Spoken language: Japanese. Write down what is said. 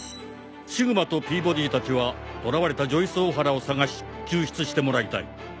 シグマとピーボディたちは捕らわれたジョイスオハラを捜し救出してもらいたい。